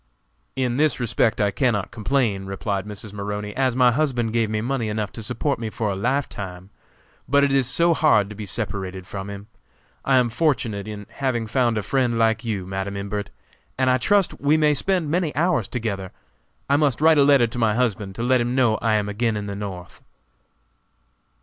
"In this respect I cannot complain," replied Mrs. Maroney, "as my husband gave me money enough to support me a lifetime; but it is so hard to be separated from him! I am fortunate in having found a friend like you, Madam Imbert, and I trust we may spend many hours together. I must write a letter to my husband to let him know I am again in the North."